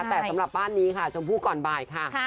แต่สำหรับบ้านนี้ค่ะชมพู่ก่อนบ่ายค่ะ